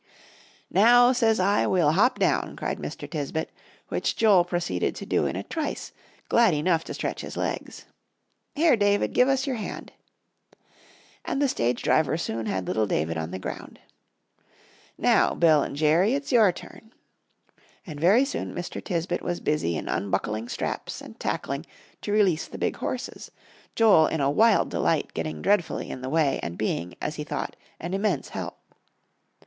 "Now, says I, we'll hop down," cried Mr. Tisbett, which Joel proceeded to do in a trice, glad enough to stretch his legs. "Here, David, give us your hand." And the stage driver soon had little David on the ground. "Now, Bill and Jerry, it's your turn." And very soon Mr. Tisbett was busy in unbuckling straps and tackling, to release the big horses, Joel in a wild delight getting dreadfully in the way, and being, as he thought, an immense help.